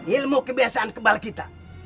ilmu kebiasaan kebal kita